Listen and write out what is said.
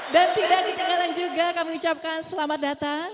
dan tiga ketinggalan juga kami ucapkan selamat datang